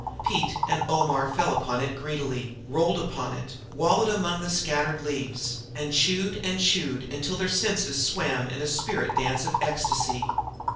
Pete and Omar fell upon it greedily, rolled upon it, wallowed among the scattered leaves, and chewed and chewed till their senses swam in a spirit dance of ecstasy.